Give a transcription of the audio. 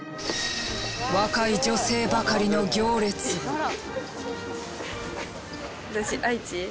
若い女性ばかりの行列が。